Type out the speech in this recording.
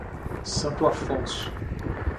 Santo Afonso